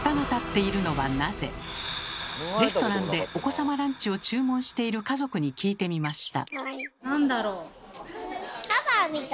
レストランでお子様ランチを注文している家族に聞いてみました。